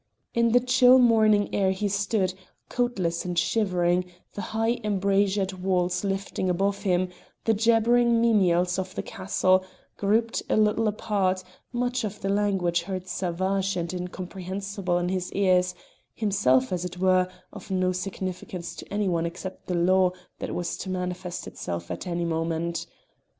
In the chill morning air he stood, coatless and shivering, the high embrasured walls lifting above him, the jabbering menials of the castle grouped a little apart, much of the language heard savage and incomprehensible in his ears, himself, as it were, of no significance to any one except the law that was to manifest itself at any moment.